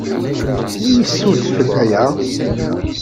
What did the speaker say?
Wi yessudfen aya?